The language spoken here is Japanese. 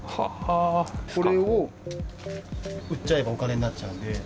これを売っちゃえばお金になっちゃうんで。